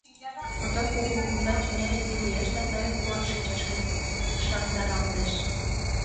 Мотор кугу кумда тӱня изи лиеш Да тыйын поро шинчашкет шыҥдаралтеш.